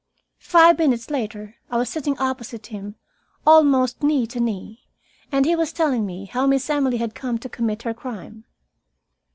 Five minutes later I was sitting opposite him, almost knee to knee, and he was telling me how Miss Emily had come to commit her crime.